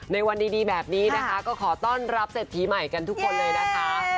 วันดีแบบนี้นะคะก็ขอต้อนรับเศรษฐีใหม่กันทุกคนเลยนะคะ